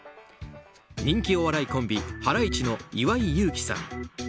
人気お笑いコンビハライチの岩井勇気さん。